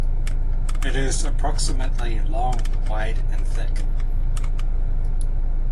It is approximately long, wide, and thick.